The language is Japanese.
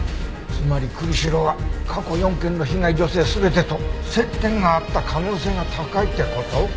つまり栗城は過去４件の被害女性全てと接点があった可能性が高いって事？